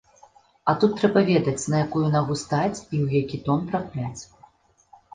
А тут трэба ведаць, на якую нагу стаць і ў які тон трапляць.